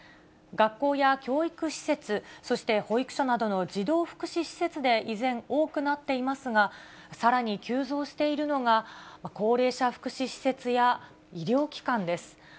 学校や教育施設、そして保育所などの児童福祉施設で、依然、多くなっていますが、さらに急増しているのが、高齢者福祉施設や医療機関です。